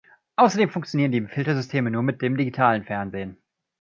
Außerdem funktionieren die Filtersysteme nur mit dem digitalen Fernsehen.